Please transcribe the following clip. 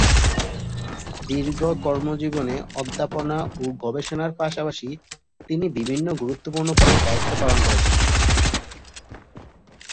দীর্ঘ কর্মজীবনে অধ্যাপনা ও গবেষণার পাশাপাশি তিনি বিভিন্ন গুরুত্বপূর্ণ পদে দায়িত্ব পালন করেছেন।